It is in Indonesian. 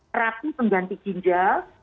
terapi pengganti ginjal